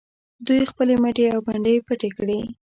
دوی خپلې مټې او پنډۍ پټې کړي.